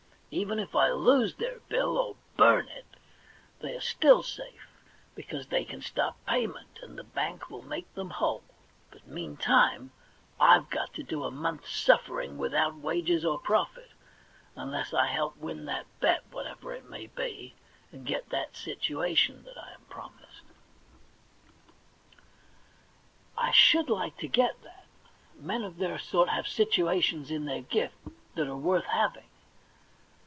Even if I lose their bill, or burn it, they are still safe, because they can stop payment, and the Bank will make them whole ; but meantime, I've got to do a month's suffering without wages or profit — unless I help win that bet, whatever it may be, and get that situation that I am promised. I THE £1,000,000 BANK NOTE ii should like to get that; men of their sort have situations in their gift that are worth having.